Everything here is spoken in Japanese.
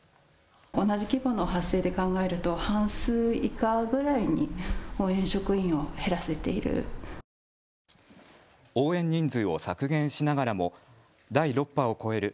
同じ規模の発生で考えると半数以下ぐらいに応援職員を減らせている。